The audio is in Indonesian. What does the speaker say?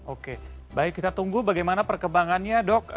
oke baik kita tunggu bagaimana perkembangannya dok